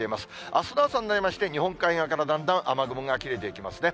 あすの朝になりまして、日本海側からだんだん雨雲が切れていきますね。